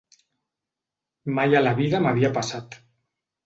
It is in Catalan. Mai a la vida m'havia passat.